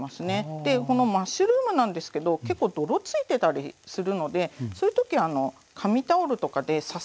でこのマッシュルームなんですけど結構泥ついてたりするのでそういう時紙タオルとかでササッと払って。